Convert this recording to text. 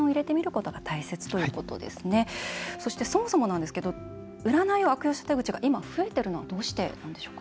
そしてそもそもなんですけど占いを悪用した手口が今、増えているのはどうしてなんでしょうか？